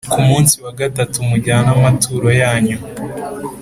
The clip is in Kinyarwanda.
Ku munsi wa gatatu mujyane amaturo yanyu.